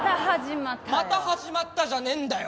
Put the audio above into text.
「また始まった」じゃねえんだよ。